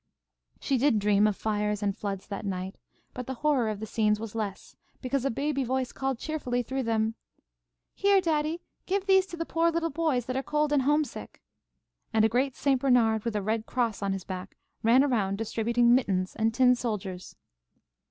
She did dream of fires and floods that night, but the horror of the scenes was less, because a baby voice called cheerfully through them, "Here, daddy, give these to the poor little boys that are cold and homesick?" and a great St. Bernard, with a Red Cross on his back, ran around distributing mittens and tin soldiers.